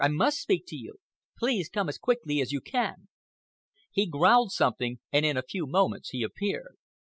I must speak to you. Please come as quickly as you can." He growled something and in a few moments he appeared.